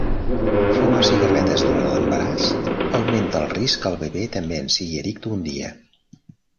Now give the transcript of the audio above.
Fumar cigarretes durant l'embaràs augmenta el risc que el bebè també en sigui addicte un dia.